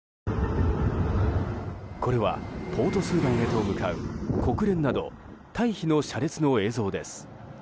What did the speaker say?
これはポートスーダンへと向かう国連など退避の車列の映像です。